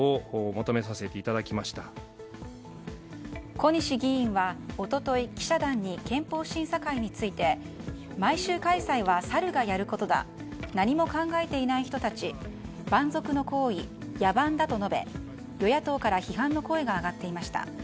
小西議員は一昨日記者団に憲法審査会について毎週開催はサルがやることだ何も考えてない人たち蛮族の行為、野蛮だと述べ与野党から批判の声が上がっていました。